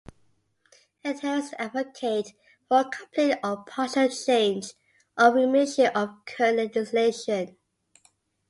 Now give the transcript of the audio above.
Adherents advocate for complete or partial change or remission of current legislation.